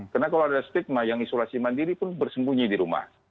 karena kalau ada stigma yang isolasi mandiri pun bersembunyi di rumah